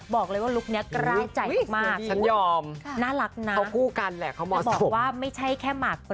บอกเลยว่าลุคนี้กร้ายใจมาก